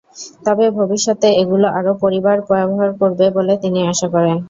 তবে ভবিষ্যতে এগুলো আরও পরিবার ব্যবহার করবে বলে তিনি আশা করেন।